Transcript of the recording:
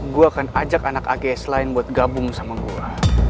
gue akan ajak anak ag selain buat gabung sama gue